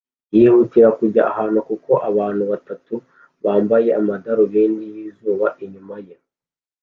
yihutira kujya ahantu kuko abantu batatu bambaye amadarubindi yizuba inyuma ye